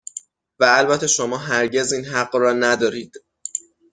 و البته شما هرگز این حق را ندارید